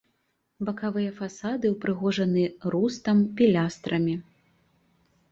Бакавыя фасады ўпрыгожаны рустам, пілястрамі.